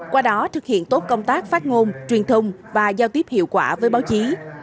qua đó thực hiện tốt công tác phát ngôn truyền thông và giao tiếp hiệu quả với báo chí